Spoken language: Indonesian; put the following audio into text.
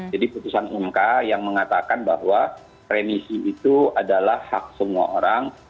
jadi putusan mk yang mengatakan bahwa remisi itu adalah hak semua orang